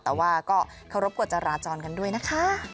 แต่ว่าก็เคารพกฎจราจรกันด้วยนะคะ